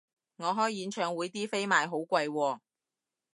我開演唱會啲飛賣好貴喎